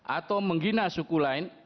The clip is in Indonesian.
atau menggina suku lain